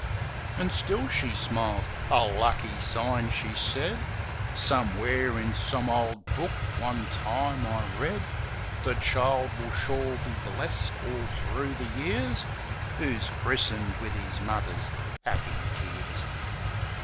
An' still she smiles. "A lucky sign," she said. "Somewhere, in some ole book, one time I read, 'The child will sure be blest all thro' the years Who's christened wiv 'is mother's 'appy tears.'